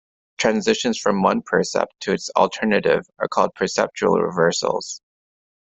Transitions from one percept to its alternative are called perceptual reversals.